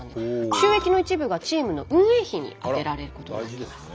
収益の一部がチームの運営費に充てられることになっています。